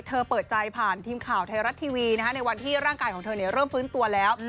เปิดใจผ่านทีมข่าวไทยรัฐทีวีในวันที่ร่างกายของเธอเริ่มฟื้นตัวแล้ว